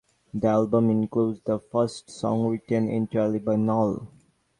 The album includes the first song written entirely by Noll.